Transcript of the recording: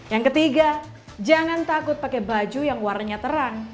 yang ketiga jangan takut pakai baju yang warnanya terang